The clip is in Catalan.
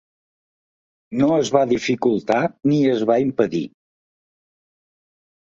No es va dificultar ni es va impedir.